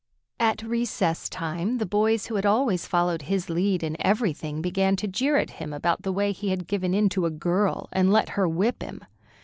At recess time the boys who had always followed his lead in everything began to jeer at him about the way he had given in to a girl and let her whip him.